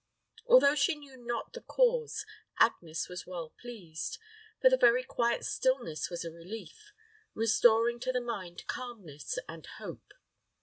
Although she knew not the cause, Agnes was well pleased; for the very quiet stillness was a relief, restoring to the mind calmness and hope.